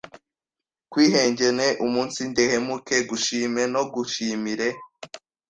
kwihengene, umunsidehemuke, gushime no gushimire